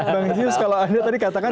bang jus kalau anda tadi katakan